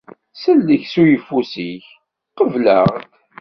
Sellek s uyeffus-ik, qbel-aɣ-d!